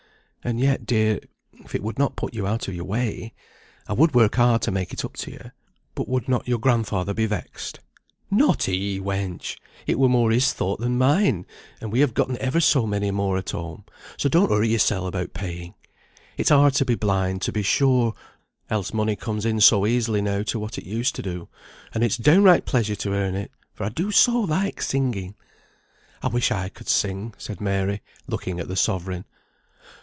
"And yet, dear, if it would not put you out o' your way, I would work hard to make it up to you; but would not your grandfather be vexed?" "Not he, wench! It were more his thought than mine, and we have gotten ever so many more at home, so don't hurry yoursel about paying. It's hard to be blind, to be sure, else money comes in so easily now to what it used to do; and it's downright pleasure to earn it, for I do so like singing." "I wish I could sing," said Mary, looking at the sovereign.